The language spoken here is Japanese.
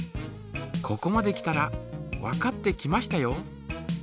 ここまで来たらわかってきましたよ。